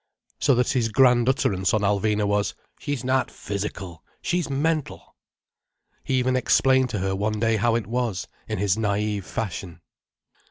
So that his grand utterance on Alvina was: "She's not physical, she's mental." He even explained to her one day how it was, in his naïve fashion.